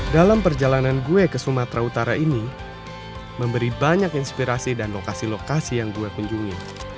dalam perjalanan gue ke sumatera utara ini memberi banyak inspirasi dan lokasi lokasi yang gue kunjungi